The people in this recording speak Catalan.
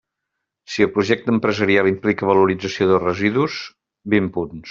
Si el projecte empresarial implica valorització dels residus, vint punts.